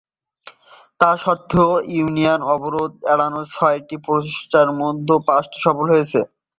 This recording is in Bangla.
তা সত্ত্বেও, ইউনিয়ন অবরোধ এড়ানোর ছয়টি প্রচেষ্টার মধ্যে পাঁচটি সফল হয়েছিল।